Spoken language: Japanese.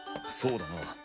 そうだな。